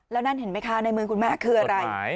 แล้วนั่นเห็นไหมคะในมือคุณแม่คืออะไร